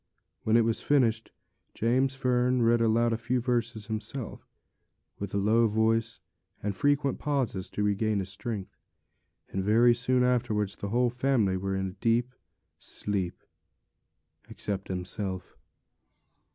When it was finished, James Fern read a few verses aloud himself, with low voice and frequent pauses to regain his strength; and very soon afterwards the whole family were in a deep sleep, except himself.